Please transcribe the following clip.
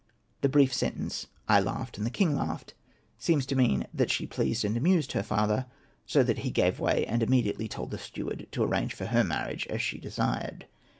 The brief sentence, '' I laughed and the king laughed/' seems to mean that she pleased and amused her father so that he gave way, and immediately told the steward to arrange for her marriage as she desired.